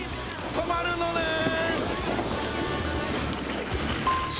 止まるのねん。